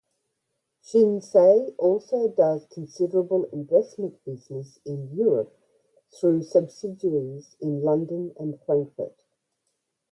Shinsei also does considerable investment business in Europe through subsidiaries in London and Frankfurt.